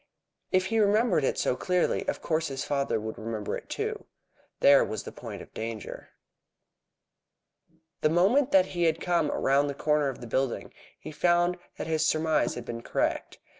If he remembered it so clearly, of course his father would remember it too. There was the point of danger. The moment that he had come round the corner of the building he found that his surmise had been correct.